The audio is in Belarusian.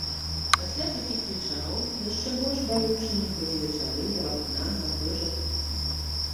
Пасля такіх вечароў яшчэ больш балючымі былі вечары ля вакна на той жа кухні.